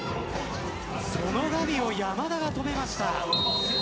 そのガビを山田が止めました。